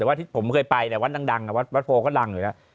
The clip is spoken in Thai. แต่ว่าที่ผมเคยไปเนี่ยวัดดังวัดโพก็รังอยู่แล้ว